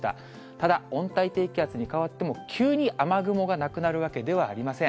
ただ、温帯低気圧に変わっても、急に雨雲がなくなるわけではありません。